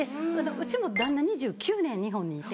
うちも旦那２９年日本にいて。